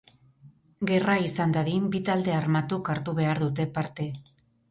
Gerra izan dadin, bi talde armatuk hartu behar dute parte.